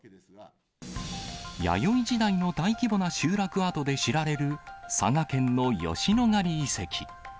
弥生時代の大規模な集落跡で知られる、佐賀県の吉野ヶ里遺跡。